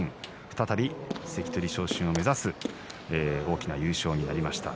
再び関取昇進を目指す大きな優勝となりました。